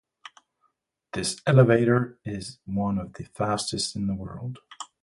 This elevator is one of the fastest in the world.